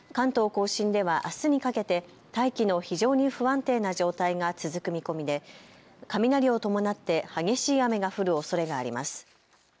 甲信ではあすにかけて大気の非常に不安定な状態が続く見込みで雷を伴って激しい雨が降るおそれがあります。